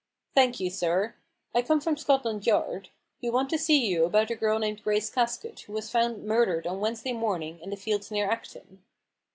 " Thank you, sir. I come from Scotland Yard. We want to see } r ou about a girl named Grace Casket, who was found murdered on Wednesday morning in the fields near Acton."